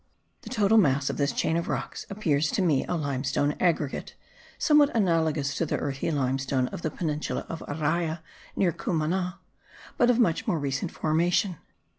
The total mass of this chain of rocks appears to me a limestone agglomerate, somewhat analogous to the earthy limestone of the peninsula of Araya, near Cumana, but of much more recent formation.